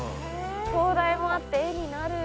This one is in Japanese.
灯台もあって絵になる。